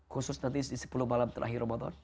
khusus nanti di sepuluh malam terakhir ramadan